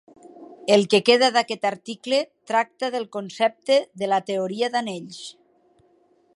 El que queda d'aquest article tracta del concepte de la teoria d'anells.